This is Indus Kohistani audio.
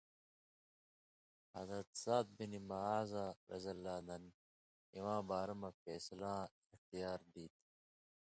حضرت سعد بن معاذؓاں دَن اِواں بارہ مہ فېصلاں اختیار دِتیۡ